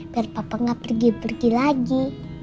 biar papa nggak pergi pergi lagi